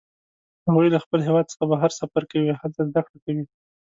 هغوی له خپل هیواد څخه بهر سفر کوي او هلته زده کړه کوي